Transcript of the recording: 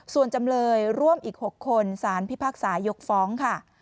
ส่วนจำเลยร่วมอีก๖คนสารพิพากษายกฟ้องค่ะ